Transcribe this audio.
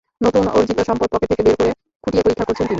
নতুন অর্জিত সম্পদ পকেট থেকে বের করে খুঁটিয়ে পরীক্ষা করছেন তিনি।